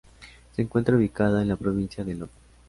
Se encuentra ubicada en la provincia de El Oro.